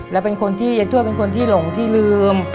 เย็ดทวดเป็นคนที่หลงที่ลืม